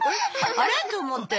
あれ？と思って。